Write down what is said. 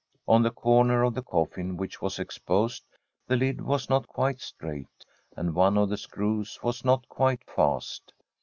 On the corner of the coffin which was exposed the lid was not quite straight, and one of the screws was not quite fast.